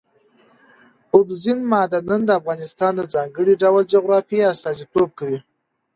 اوبزین معدنونه د افغانستان د ځانګړي ډول جغرافیه استازیتوب کوي.